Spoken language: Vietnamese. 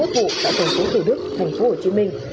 hai mươi một vụ tại thành phố thủ đức thành phố hồ chí minh